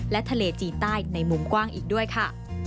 และทะเลจีนใต้ในมุมกว้างอีกด้วยค่ะ